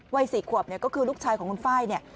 ไว้๔ขวบก็คือลูกชายของคุณไฟ